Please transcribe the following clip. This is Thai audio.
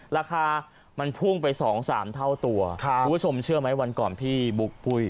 ราคามันพุ่งไป๒๓เท่าตัวคุณผู้ชมเชื่อไหมวันก่อนพี่บุ๊คปุ้ย